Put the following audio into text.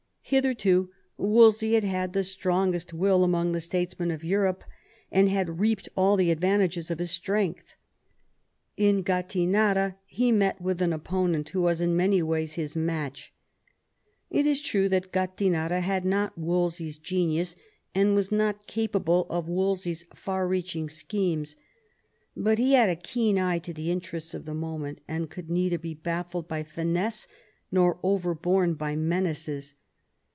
Hitherto Wolsey had had the strongest will amongst the statesmen of Europe, and had reaped all the advantages of his strength. In Gattinara he met with an opponent who was in many ways his match. It is true that Gattinara had notWolsey's genius, and was not capable of Wolsey's far reaching schemes ; but he had a keen eye to the interests of the moment, and could neither be baffled hj finesse nor overborne by menaces.